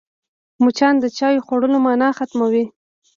مچان د چايو خوړلو مانا ختموي